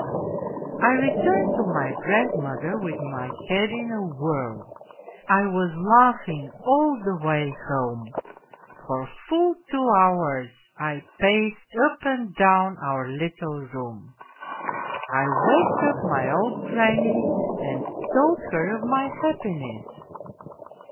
" I returned to my grandmother with my head in a whirl. I was laughing all the way home ; for full two hours I paced up and down our little room. I waked up my old granny and told her of my happiness.